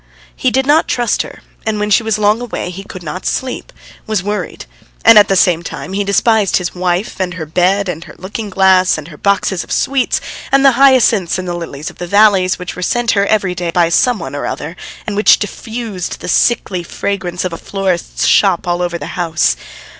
He did not trust her, and when she was long away he could not sleep, was worried, and at the same time he despised his wife, and her bed, and her looking glass, and her boxes of sweets, and the hyacinths, and the lilies of the valley which were sent her every day by some one or other, and which diffused the sickly fragrance of a florist's shop all over the house.